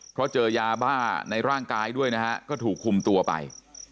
เพราะเจอยาบ้าในร่างกายด้วยนะฮะก็ถูกคุมตัวไป